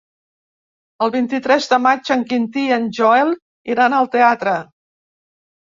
El vint-i-tres de maig en Quintí i en Joel iran al teatre.